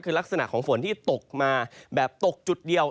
คือลักษณะของฝนที่ตกมาแบบตกจุดเดียว